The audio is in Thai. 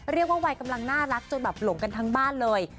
เรียกว่าวัยกำลังน่ารักจนแบบหลงกันทั้งบ้านเลย